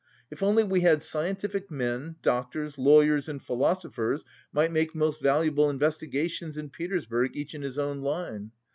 If only we had scientific men, doctors, lawyers and philosophers might make most valuable investigations in Petersburg each in his own line.